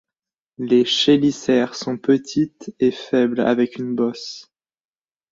Les chélicères sont petites et faibles avec une bosse.